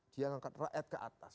dia mengangkat rakyat ke atas